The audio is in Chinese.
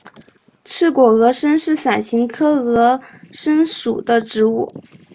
刺果峨参是伞形科峨参属的植物。